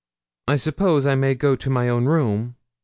'I suppose I may go to my own room?'